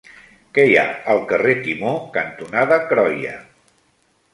Què hi ha al carrer Timó cantonada Croia?